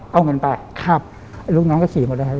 เอาเงินไปครับลูกน้องก็ขี่หมดแล้ว